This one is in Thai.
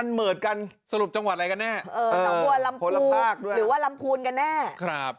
หมดกันสรุปจังหวัดอะไรกันแน่เออเออหรือว่าลำพูนกันแน่ครับ